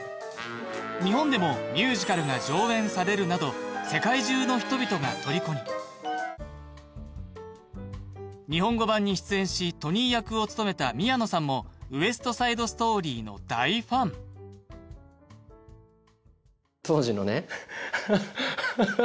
日本でもミュージカルが上演されるなど日本語版に出演しトニー役を務めた宮野さんも「ウエスト・サイド・ストーリー」の大ファン当時のねははっははは